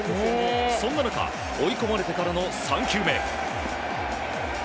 そんな中追い込まれてからの３球目。